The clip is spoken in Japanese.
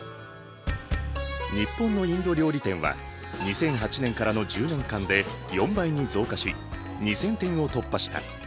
日本のインド料理店は２００８年からの１０年間で４倍に増加し２，０００店を突破した。